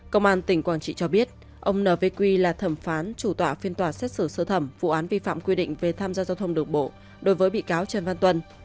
công an tỉnh quảng trị cho biết ông nvq là thẩm phán chủ tọa phiên tòa xét xử sơ thẩm vụ án vi phạm quy định về tham gia giao thông đường bộ đối với bị cáo trần văn tuân